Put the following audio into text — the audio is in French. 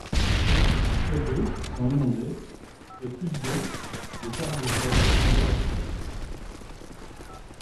Près de sont inondées et plus de de terres agricoles sont dévastés.